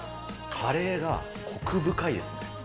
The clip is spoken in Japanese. カレーがこく深いですね。